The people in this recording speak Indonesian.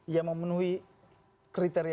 yang memenuhi kriteria